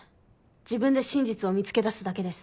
自分で真実を見つけ出すだけです。